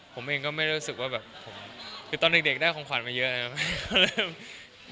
ผมเองก็ไม่รู้สึกว่าแบบผมคือตอนเด็กได้ของขวัญมาเยอะนะครับ